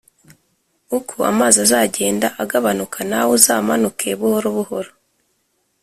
uko amazi azagenda agabanuka, nawe uzamanuke buhoro buhoro